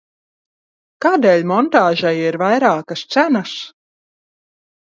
Kādēļ montāžai ir vairākas cenas?